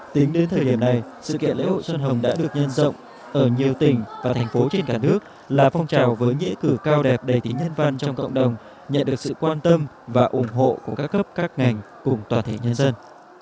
tính đến thời điểm này sự kiện lễ hội xuân hồng đã được nhân rộng ở nhiều tỉnh và thành phố trên cả nước là phong trào với nghĩa cử cao đẹp đầy tính nhân văn trong cộng đồng nhận được sự quan tâm và ủng hộ của các cấp các ngành cùng toàn thể nhân dân